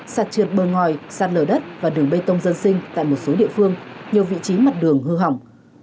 sạt trượt bờ ngòi sạt lở đất và đường bê tông dân sinh tại một số địa phương nhiều vị trí mặt đường hư hỏng